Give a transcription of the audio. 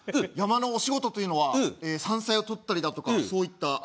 山のお仕事というのは山菜を採ったりだとかそういった？